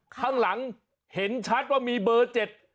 ข้างหลังเห็นชัดว่ามีเบอร์เจ็ด